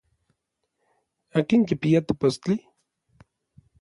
¿Akin kipia tepostli?